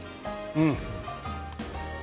うん！